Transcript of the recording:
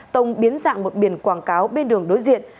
tông biến dạng một biển quảng cáo bên đường đối diện